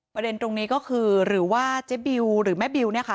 ประเด็นตรงนี้ก็คือหรือว่าเจ๊บิวหรือแม่บิวเนี่ยค่ะ